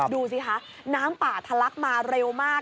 ดูสิคะน้ำป่าทะลักมาเร็วมาก